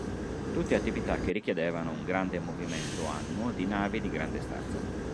Tutte attività che richiedevano un grande movimento annuo di navi di grande stazza.